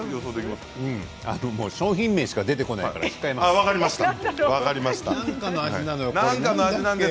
商品名しか出てこないから、控えます。